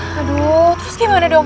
aduh terus gimana dong